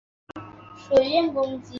官职为左卫门少尉。